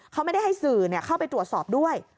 เขาไม่ได้ให้สื่อเข้าไปตรวจสอบด้วย